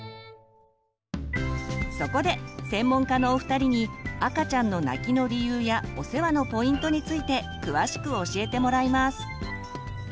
そこで専門家のお二人に赤ちゃんの泣きの理由やお世話のポイントについて詳しく教えてもらいます。